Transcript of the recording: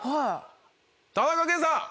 田中圭さん。